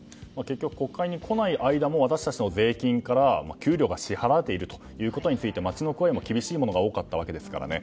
国会に来ない間も私たちの税金から給料が支払われていると街の声も厳しいものが多かったわけですからね。